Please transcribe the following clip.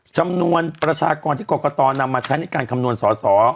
จำนวนประชากรที่กรกตนำมาใช้ในการคำนวณสอสอ